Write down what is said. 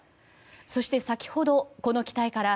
そして先ほど、この機体から